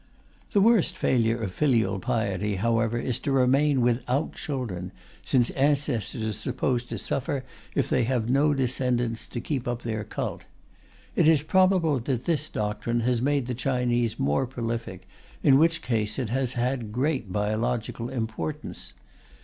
The worst failure of filial piety, however, is to remain without children, since ancestors are supposed to suffer if they have no descendants to keep up their cult. It is probable that this doctrine has made the Chinese more prolific, in which case it has had great biological importance.